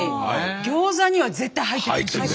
ギョーザには絶対入っててほしいし。